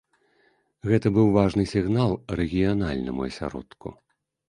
Гэта быў важны сігнал рэгіянальнаму асяродку.